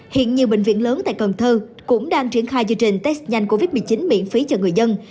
hiện nhiều bệnh viện lớn tại cần thơ cũng đang triển khai chương trình test nhanh covid một mươi chín miễn phí cho người dân